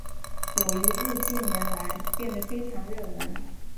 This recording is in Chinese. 友谊日近年来变得非常热门。